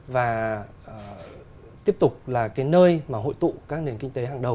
và tiếp tục là cái nơi mà hội tụ các nền kinh tế hàng đầu